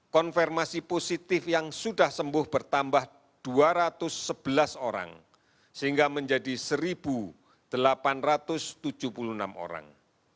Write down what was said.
konfirmasi positif yang sudah sembuh bertambah dua ratus sebelas orang sehingga menjadi satu delapan ratus tujuh puluh enam orang